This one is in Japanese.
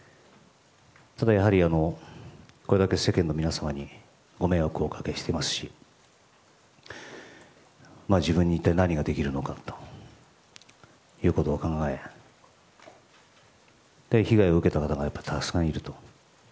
やはりこれだけ世間の皆さんにご迷惑をおかけしていますし自分に一体何ができるのかということを考え被害を受けた方がたくさんいると。